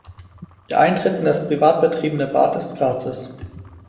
Der Eintritt in das privat betriebene Bad ist gratis.